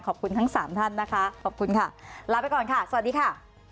ทั้งสามท่านนะคะขอบคุณค่ะลาไปก่อนค่ะสวัสดีค่ะ